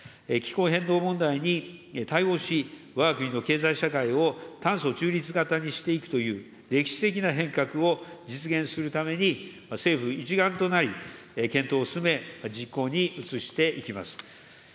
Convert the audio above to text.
気候変動問題に対応し、わが国の経済社会を炭素中立型にしていくという歴史的な変革を実現するために、政府一丸となり、検討を進め、実行に移していきます。